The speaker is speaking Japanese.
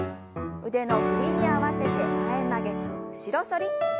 腕の振りに合わせて前曲げと後ろ反り。